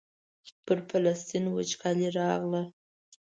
پر فلسطین وچکالي راغله.